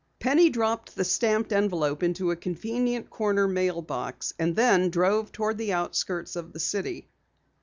Penny dropped the stamped envelope into a convenient corner mailbox, and then drove toward the outskirts of the city.